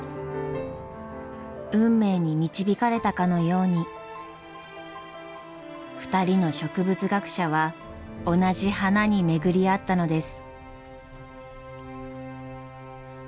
運命に導かれたかのように２人の植物学者は同じ花に巡り会ったのです。